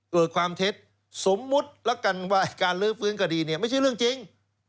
เกิดความเท็จสมมุติแล้วกันว่าการลื้อฟื้นคดีเนี่ยไม่ใช่เรื่องจริง